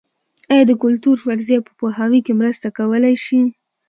ایا د کلتور فرضیه په پوهاوي کې مرسته کولای شي؟